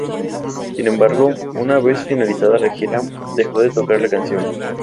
Sin embargo, una vez finalizada la gira, dejó de tocar la canción.